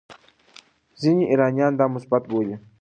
ځینې ایرانیان دا مثبت بولي.